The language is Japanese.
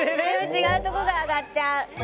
ちがうとこが上がっちゃう。